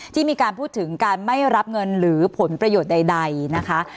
ที่มีการพูดถึงการไม่รับเงินหรือผลประโยชน์ใดนะคะ